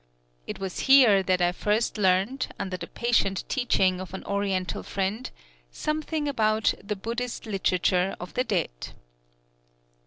It was here that I first learned, under the patient teaching of an Oriental friend, something about the Buddhist literature of the dead.